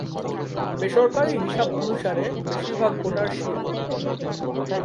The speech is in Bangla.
বেসরকারী হিসাব অনুসারে বেশিরভাগ ভোটার শিয়া।